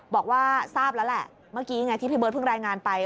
บอกว่าทราบแล้วแหละเมื่อกี้ไงที่พี่เบิร์เพิ่งรายงานไป